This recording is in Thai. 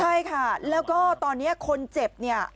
ใช่ค่ะแล้วก็ตอนนี้คนเจ็บเนี่ย